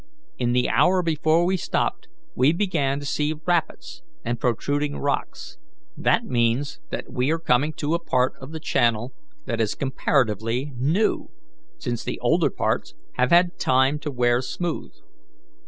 In the hour before we stopped we began to see rapids and protruding rocks. That means that we are coming to a part of the channel that is comparatively new, since the older parts have had time to wear smooth.